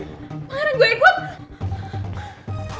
pak heran gue ikut